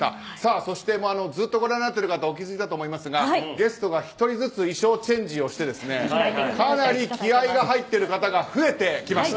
そしてずっとご覧になってる方はお気づきだと思いますがゲストが１人ずつ衣装チェンジをしてかなり気合が入っている方が増えてきました。